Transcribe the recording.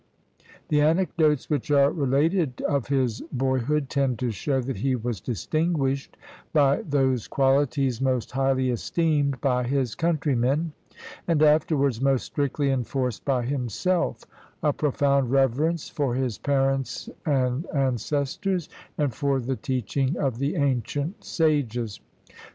The anecdotes which are related of his boy hood tend to show that he was distinguished by those qualities most highly esteemed by his countrymen, and afterwards most strictly enforced by himself — a pro found reverence for his parents and ancestors, and for the teaching of the ancient sages.